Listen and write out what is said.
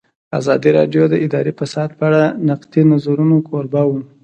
ازادي راډیو د اداري فساد په اړه د نقدي نظرونو کوربه وه.